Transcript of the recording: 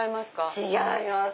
違います。